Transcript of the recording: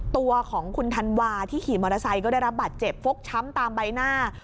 ตัวของคุณธันวาที่ขี่มอเตอร์ไซค์ก็ได้รับบาดเจ็บฟกช้ำตามใบหน้า